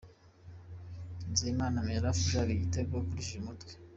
Nizeyimana Mirafa ashaka igitego akoresheje umutwe